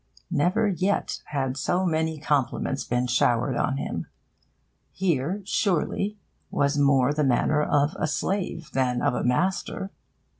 Never yet had so many compliments been showered on him. Here, surely, was more the manner of a slave than of a master.